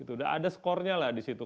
sudah ada skornya lah di situ